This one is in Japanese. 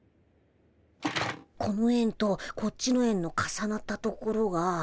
この円とこっちの円の重なったところが。